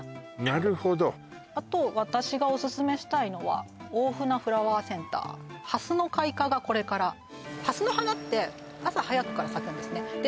なるほどあと私がオススメしたいのは大船フラワーセンターハスの開花がこれからハスの花って朝早くから咲くんですねで